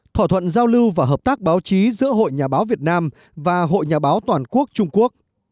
thỏa thuận giao lưu và hợp tác báo chí giữa hội nhà báo việt nam và hội nhà báo toàn quốc trung quốc